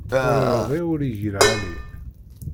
Ur iṛḍi ur igi lɛali.